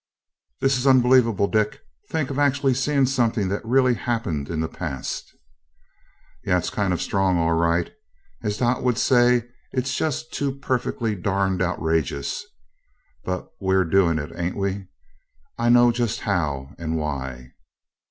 "This is unbelievable, Dick. Think of actually seeing something that really happened in the past!" "Yeah, it's kinda strong, all right. As Dot would say, it's just too perfectly darn outrageous. But we're doing it, ain't we? I know just how, and why.